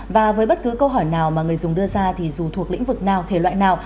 và với bất cứ câu hỏi nào mà người dùng đưa ra thì dù thuộc lĩnh vực nào thể loại nào